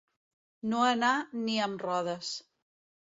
No anar ni amb rodes.